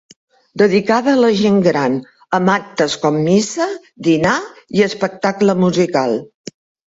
Dedicada a la gent gran amb actes com missa, dinar i espectacle musical.